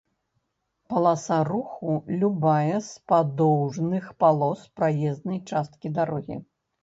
паласа руху — любая з падоўжных палос праезнай часткі дарогі